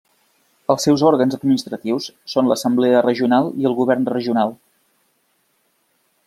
Els seus òrgans administratius són l'Assemblea Regional i el Govern Regional.